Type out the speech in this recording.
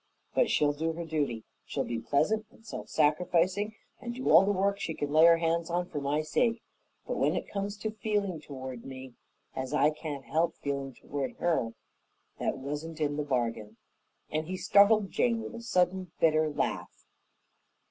But she'll do her duty. She'll be pleasant and self sacrificing and do all the work she can lay her hands on for my sake; but when it comes to feeling toward me as I can't help feeling toward her that wasn't in the bargain," and he startled Jane with a sudden bitter laugh.